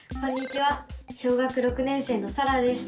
小学６年生のさらです。